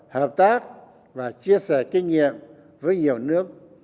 hợp tác và chia sẻ kinh nghiệm với nhiều nước